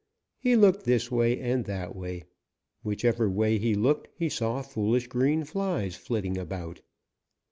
He looked this way and that way. Whichever way he looked he saw foolish green flies flitting about.